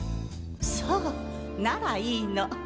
そうならいいの。